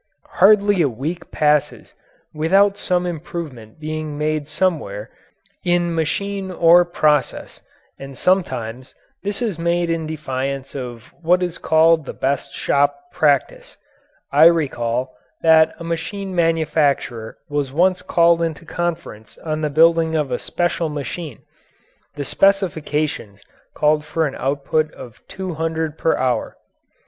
Hardly a week passes without some improvement being made somewhere in machine or process, and sometimes this is made in defiance of what is called "the best shop practice." I recall that a machine manufacturer was once called into conference on the building of a special machine. The specifications called for an output of two hundred per hour.